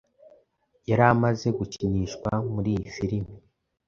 yaramaze gukinishwa muri iyi filimi.